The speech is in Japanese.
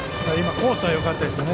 コースはよかったですね。